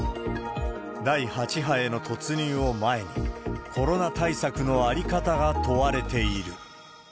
第８波への突入を前に、コロナ対策の在り方が問われている。